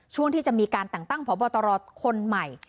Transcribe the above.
ช่วงที่จะมีการแต่งตั้งพบตรคนใหม่